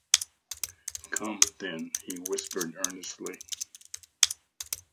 ‘Come, then,’ he whispered earnestly.